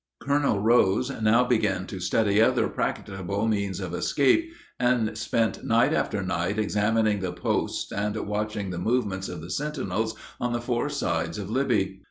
Colonel Rose now began to study other practicable means of escape, and spent night after night examining the posts and watching the movements of the sentinels on the four sides of Libby.